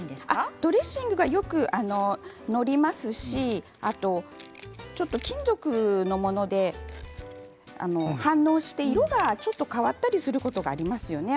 ドレッシングがよく載りますし金属のものだと反応して色がちょっと変わったりすることがありますよね。